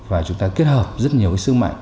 và chúng ta kết hợp rất nhiều cái sức mạnh